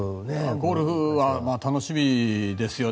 ゴルフは楽しみですよね。